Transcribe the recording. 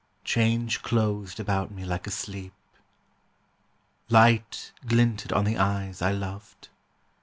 Change closed about me like a sleep. Light glinted on the eyes I loved.